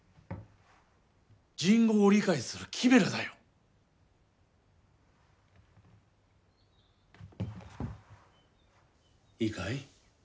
人語を理解するキメラだよいいかい？